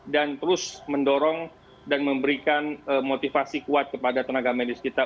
dan terus mendorong dan memberikan motivasi kuat kepada tenaga medis kita